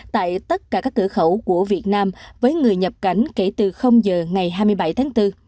tại tất cả các cửa khẩu của việt nam với người nhập cảnh kể từ giờ ngày hai mươi bảy tháng bốn